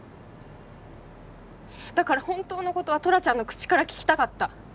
だから本当の事はトラちゃんの口から聞きたかった。